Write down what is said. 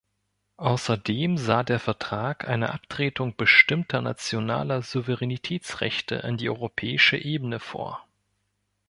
Außerdem sah der Vertrag eine Abtretung bestimmter nationaler Souveränitätsrechte an die europäische Ebene vor.